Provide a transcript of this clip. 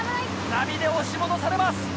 波で押し戻されます